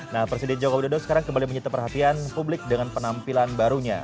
nah presiden jokowi dodo sekarang kembali mencetak perhatian publik dengan penampilan barunya